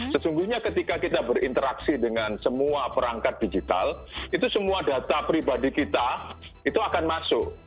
sesungguhnya ketika kita berinteraksi dengan semua perangkat digital itu semua data pribadi kita itu akan masuk